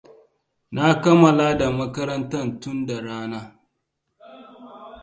Na kammala da makaranta tun da rana.